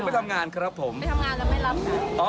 อ๋อคุณไม่ทำงานครับผม